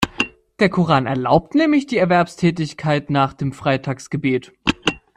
Der Koran erlaubt nämlich die Erwerbstätigkeit nach dem Freitagsgebet.